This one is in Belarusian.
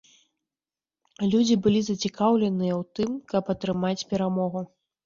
Людзі былі зацікаўленыя ў тым, каб атрымаць перамогу.